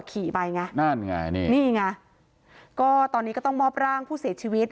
ขี่ไปไงนั่นไงนี่นี่ไงก็ตอนนี้ก็ต้องมอบร่างผู้เสียชีวิต